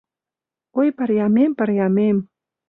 Ой, парйамем, парйамем